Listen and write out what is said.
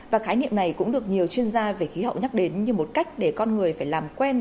và khái niệm này cũng được nhiều chuyên gia về khí hậu nhắc đến như một cách để con người phải làm quen